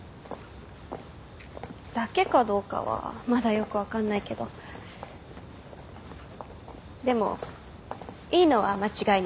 「だけ」かどうかはまだよく分かんないけどでもいいのは間違いない。